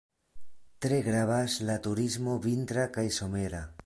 Tre gravas la turismo vintra kaj somera.